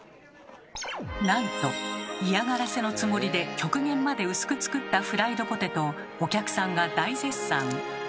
なんと嫌がらせのつもりで極限まで薄く作ったフライドポテトをお客さんが大絶賛。